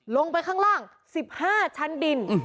ลงไปข้างล่าง๑๕ชั้นดิน